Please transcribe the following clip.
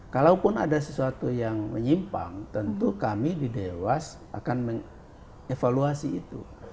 kalaupun ada sesuatu yang menyimpang tentu kami di dewas akan mengevaluasi itu